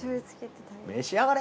召し上がれ！